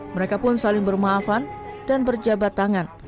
mereka pun saling bermaafan dan berjabat tangan